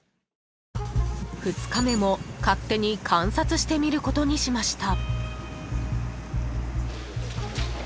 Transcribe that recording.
［２日目も勝手に観察してみることにしました］